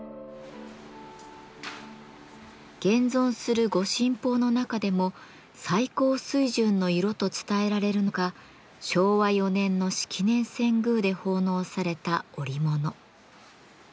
現存する御神宝の中でも「最高水準の色」と伝えられるのが昭和４年の式年遷宮で奉納された織物。